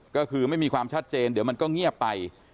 ก็คือไม่มีความชัดเจนเดี๋ยวมันก็เงียบไป